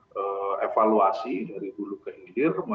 jadi kalau memang harus kita lihat ini